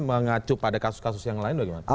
mengacu pada kasus kasus yang lain bagaimana